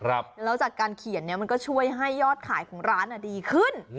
แล้วจากการเขียนเนี่ยมันก็ช่วยให้ยอดขายของร้านดีขึ้น